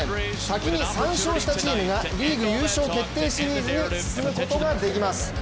先に３勝したチームがリーグ優勝決定シリーズに進むことができます。